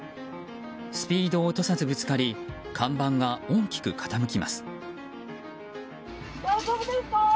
スピードを落とさずぶつかり看板が大きく傾きます。